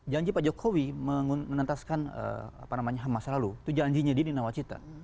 janji pak jokowi menentaskan masa lalu itu janjinya di nawacita